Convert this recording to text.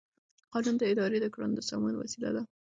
قانون د ادارې د کړنو د سمون وسیله ده.